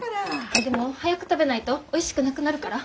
あっでも早く食べないとおいしくなくなるから。